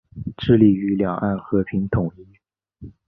致力于两岸和平统一。